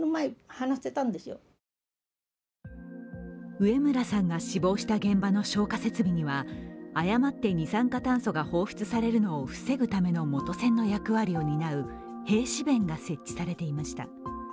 上邨さんが死亡した現場の消火設備には誤って二酸化炭素が放出されるのを防ぐための元栓の役割を担う閉止弁が設置されていました。